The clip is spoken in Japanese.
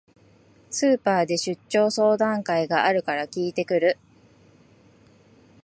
スーパーで出張相談会があるから聞いてくる